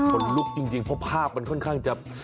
คนลุกจริงเพราะภาพมันค่อนข้างจะ